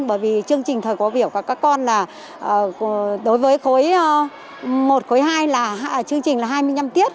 bởi vì chương trình thời có biểu các con là đối với khối một khối hai là chương trình là hai mươi năm tiết